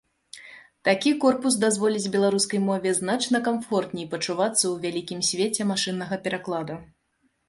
Такі корпус дазволіць беларускай мове значна камфортней пачувацца ў вялікім свеце машыннага перакладу.